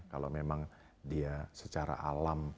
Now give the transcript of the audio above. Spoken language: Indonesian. kalau memang dia secara alam